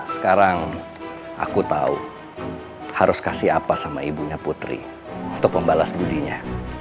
sekarang aku tahu harus kasih apa sama ibunya putri untuk membalas budinya